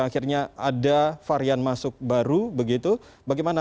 akhirnya ada varian dari b satu ratus tujuh belas ini berasal dari inggris lalu datang ke indonesia